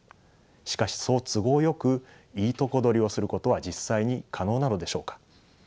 しかしそう都合よくいいとこ取りをすることは実際に可能なのでしょうか。